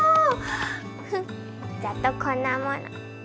フンざっとこんなもの。